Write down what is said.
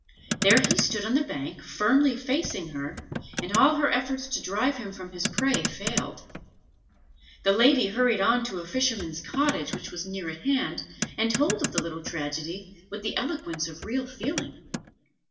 There he stood on the bank, firmly facing her, and all her efforts to drive him from his prey failed. The lady hurried on to a fisherman's cottage, which was near at hand, and told of the little tragedy with the eloquence of real feeling.